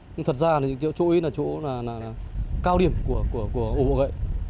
nhưng thật ra là chỗ ấy là chỗ là cao điểm của ổ bỏ gậy